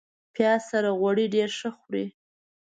پیاز سره غوړي ډېر ښه خوري